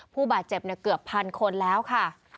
ผู้บาดเจ็บเกือบพันคนแล้วค่ะ